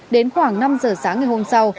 đến khoảng năm giờ sáng ngày hôm sau